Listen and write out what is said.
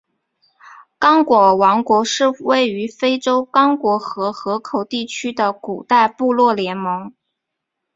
刚果王国是位于非洲刚果河河口地区的古代部落联盟。